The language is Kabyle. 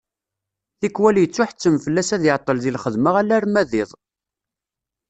Tikkwal yettuḥettem fell-as ad iɛeṭṭel di lxedma alarma d iḍ.